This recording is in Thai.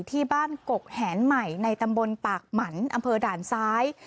ที่บ้านกกแหนใหม่ในตำบลปากหมันอำเภอด่านซ้าย